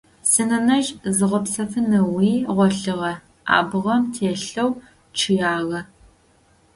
Синэнэжъ зигъэпсэфын ыӏуи гъолъыгъэ, абгъэм телъэу чъыягъэ.